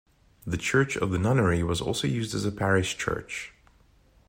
The church of the nunnery was also used as a parish church.